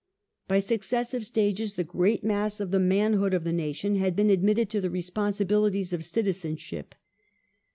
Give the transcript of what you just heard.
By successive stages the great mass of the manhood of the nation had been admitted to the responsibilities of citizenship.